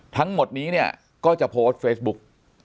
ทั้งหมดนี้เนี่ยก็จะโพสต์เฟซบุ๊ก